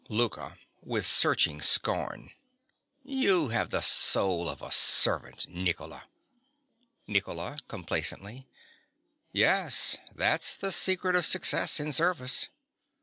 LOUKA. (with searching scorn). You have the soul of a servant, Nicola. NICOLA. (complacently). Yes: that's the secret of success in service.